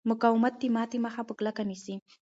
مقاومت د ماتې مخه په کلکه نیسي.